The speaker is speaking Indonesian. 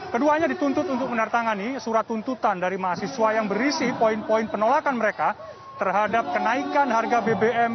keduanya dituntut untuk menartangani surat tuntutan dari mahasiswa yang berisi poin poin penolakan mereka terhadap kenaikan harga bbm